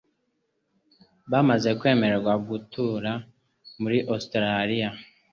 bamaze kwemererwa gutura muri Australia